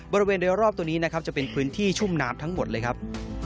บริเวณโดยรอบตัวนี้นะครับจะเป็นพื้นที่ชุ่มน้ำทั้งหมดเลยครับ